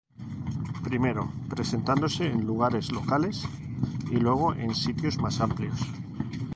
Primero, presentándose en lugares locales, y luego en sitios más amplios.